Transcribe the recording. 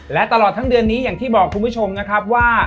และตลอดทั้งเดือนนี้อย่างที่บอกคุณผู้ชมนะครับว่า